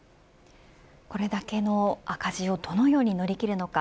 これだけの赤字をどのように乗り切るのか。